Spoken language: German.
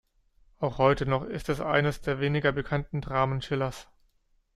Auch heute noch ist es eines der weniger bekannten Dramen Schillers.